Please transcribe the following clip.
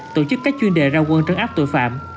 tổ chức các chuyên đề ra quân trấn áp tội phạm